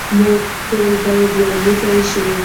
موږ ټول باید یو موټی شو.